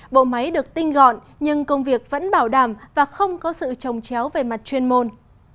bộ máy được tinh gọn nhưng công việc vẫn bảo đảm và không có sự trồng chéo về mặt chuyên môn